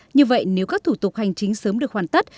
như vậy nếu các thủ tục hành chính sớm được hoàn tất